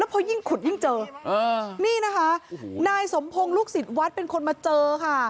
พอยิ่งขุดยิ่งเจอนี่นะคะนายสมพงศ์ลูกศิษย์วัดเป็นคนมาเจอค่ะ